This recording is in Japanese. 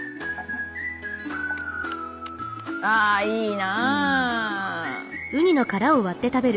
ああいいなぁ。